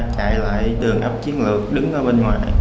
chạy lại tường ấp chiến lược đứng ở bên ngoài